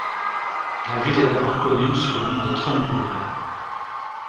La ville est d'abord connue sous le nom de Trumbull.